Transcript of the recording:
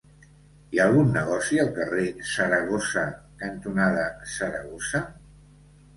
Hi ha algun negoci al carrer Saragossa cantonada Saragossa?